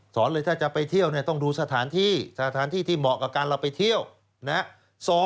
เลยถ้าจะไปเที่ยวเนี่ยต้องดูสถานที่สถานที่ที่เหมาะกับการเราไปเที่ยวนะครับ